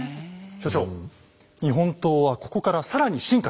所長日本刀はここから更に進化します。